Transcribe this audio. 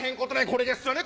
これですよね